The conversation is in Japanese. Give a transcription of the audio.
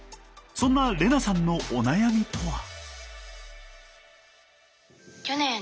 そんな玲那さんのお悩みとは？